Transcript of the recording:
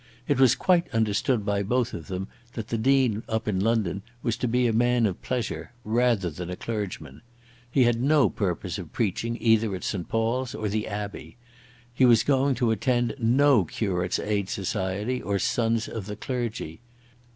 It was quite understood by both of them that the Dean up in London was to be a man of pleasure, rather than a clergyman. He had no purpose of preaching either at St. Paul's or the Abbey. He was going to attend no Curates' Aid Society or Sons of the Clergy.